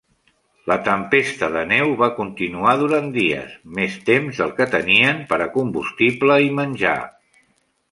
La tempesta de neu va continuar durant dies, més temps del que tenien per a combustible i menjar.